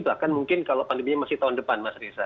bahkan mungkin kalau pandeminya masih tahun depan mas risa